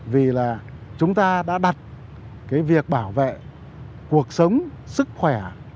vì là chúng ta đã đặt cái việc bảo vệ cuộc sống sức khỏe